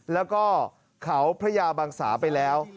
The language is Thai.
แล้วก็เขาพระยาบังสาไปแล้ว